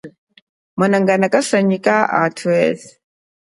Mwanangana kasanyikanga athu eswe.